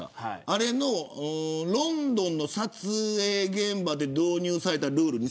あれのロンドンの撮影現場で導入されたルール